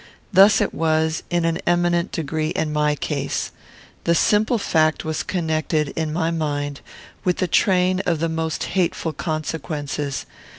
Thus it was, in an eminent degree, in my case. The simple fact was connected, in my mind, with a train of the most hateful consequences.